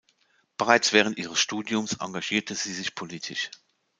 Bereits während ihres Studiums engagierte sie sich politisch.